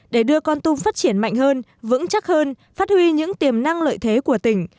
để đưa con tum phát triển mạnh hơn vững chắc hơn phát huy những tiềm năng lợi thế của tỉnh